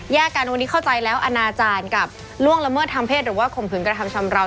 กันวันนี้เข้าใจแล้วอนาจารย์กับล่วงละเมิดทางเพศหรือว่าข่มขืนกระทำชำราว